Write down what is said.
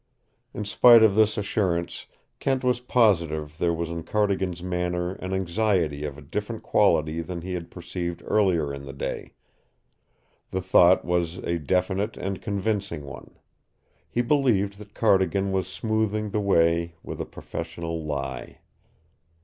In spite of this assurance Kent was positive there was in Cardigan's manner an anxiety of a different quality than he had perceived earlier in the day. The thought was a definite and convincing one. He believed that Cardigan was smoothing the way with a professional lie.